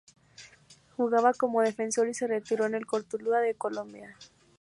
Jugaba como defensor y se retiró en el Cortuluá de Colombia.